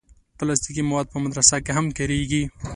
پلاستيکي مواد په مدرسه کې هم کارېږي.